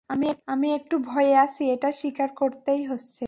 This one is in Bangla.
আমি একটু ভয়ে আছি এটা স্বীকার করতেই হচ্ছে।